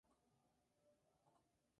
En teatro su maestro fue Carlos Gandolfo.